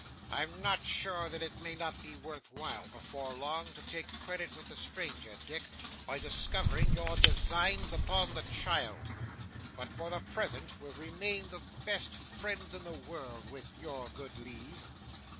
I am not sure that it may not be worth while, before long, to take credit with the stranger, Dick, by discovering your designs upon the child; but for the present we'll remain the best friends in the world, with your good leave.